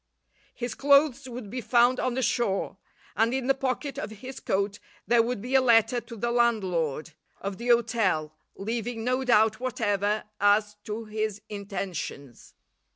His clothes would be found on the shore, and in the pocket of his coat there would be a letter to the landlord of the hotel leaving no doubt whatever as to his intentions.